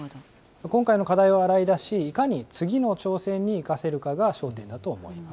今回の課題を洗い出し、いかに次の挑戦に生かせるかが焦点だと思われます。